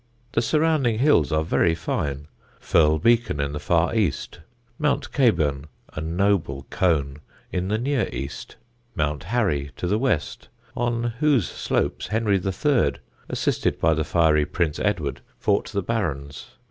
The surrounding hills are very fine: Firle Beacon in the far east; Mount Caburn, a noble cone, in the near east; Mount Harry to the west, on whose slopes Henry III., assisted by the fiery Prince Edward, fought the Barons.